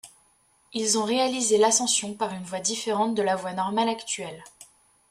Ils ont réalisé l'ascension par une voie différente de la voie Normale actuelle.